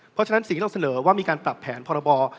เพราะฉะนั้นสิ่งที่เราเสนอว่ามีการปรับแผนพรบ